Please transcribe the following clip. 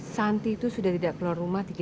yaudah tunggu disini